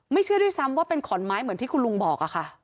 เชื่อด้วยซ้ำว่าเป็นขอนไม้เหมือนที่คุณลุงบอกค่ะ